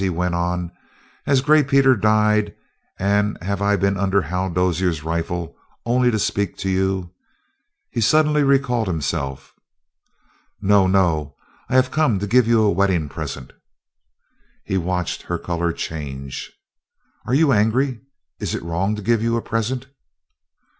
he went on. "Has Gray Peter died, and have I been under Hal Dozier's rifle only to speak to you?" He suddenly recalled himself. "No, no! I have come to give you a wedding present." He watched her color change. "Are you angry? Is it wrong to give you a present?"